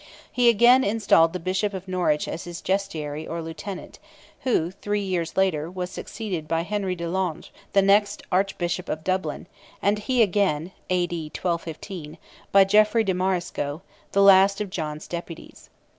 He again installed the Bishop of Norwich as his justiciary or lieutenant, who, three years, later, was succeeded by Henry de Londres, the next Archbishop of Dublin, and he again (A.D. 1215), by Geoffrey de Marisco, the last of John's deputies.